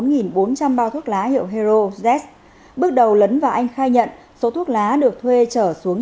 bốn bốn trăm linh bao thuốc lá hiệu hero z bước đầu lấn và anh khai nhận số thuốc lá được thuê trở xuống